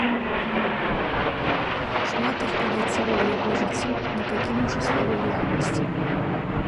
Шмат іх праляцела ў яго жыцці, не пакінуўшы следу ў рэальнасці.